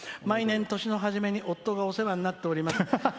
毎年、年の初めに夫がお世話になっております。